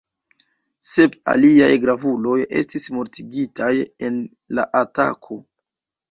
Sep aliaj gravuloj estis mortigitaj en la atako.